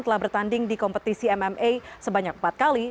telah bertanding di kompetisi mma sebanyak empat kali